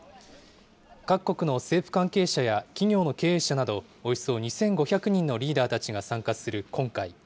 各国の政府関係者や、企業の経営者など、およそ２５００人のリーダーたちが参加する今回。